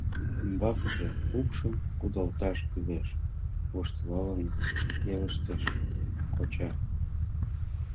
— Ӱмбакыже упшым кудалташ кӱлеш, — воштылалын пелештыш коча.